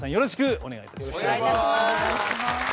お願いいたします。